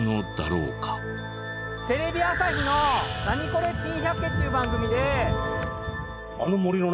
テレビ朝日の『ナニコレ珍百景』っていう番組で。